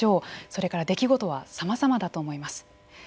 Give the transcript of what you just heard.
それから出来事はさまざまだと思います。